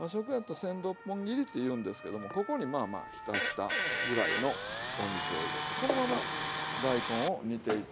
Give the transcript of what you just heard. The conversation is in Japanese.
千六本切りっていうんですけどもここにまあまあひたひたぐらいのお水を入れてこのまま大根を煮ていって。